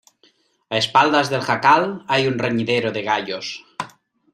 a espaldas del jacal hay un reñidero de gallos.